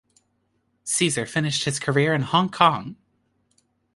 Caesar finished his career in Hong Kong.